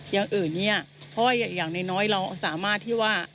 อย่างอื่นเนี่ยเพราะว่าอย่างน้อยเราสามารถที่ว่า